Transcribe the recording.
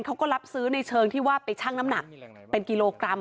เขาก็รับซื้อในเชิงที่ว่าไปชั่งน้ำหนักเป็นกิโลกรัม